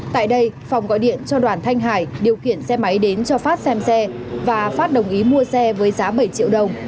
tại đây phong gọi điện cho đoàn thanh hải điều khiển xe máy đến cho phát xem xe và phát đồng ý mua xe với giá bảy triệu đồng